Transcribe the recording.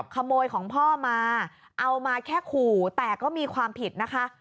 ขโมยของพ่อมาเอามาแค่ขู่แต่ก็มีความผิดนะคะ